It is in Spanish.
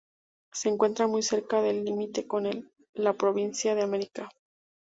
Se encuentra muy cerca del límite con la provincia de Almería.